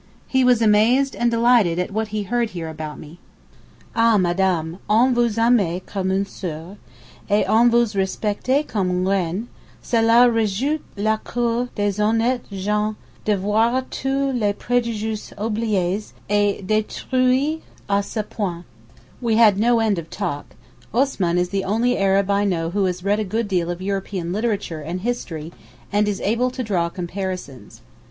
He was amazed and delighted at what he heard here about me. '_Ah Madame, on vous aime comme une sœur, et on vous respecte comme une reine; cela rejouit le cœur des honnêtes gens de voir tous les préjugés oubliés et détruits à ce point_.' We had no end of talk. Osman is the only Arab I know who has read a good deal of European literature and history and is able to draw comparisons.